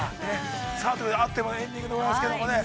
さあ、ということで、あっという間にエンディングでございますけれどもね。